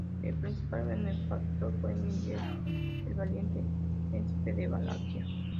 El principal benefactor fue Miguel el Valiente, Príncipe de Valaquia.